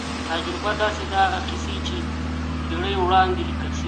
علمي لاره تر خرافاتو ښه ده.